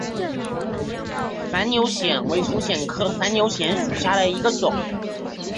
反扭藓为丛藓科反扭藓属下的一个种。